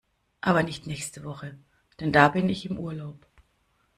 Aber nicht nächste Woche, denn da bin ich im Urlaub.